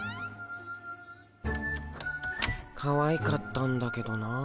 かわいかったんだけどな。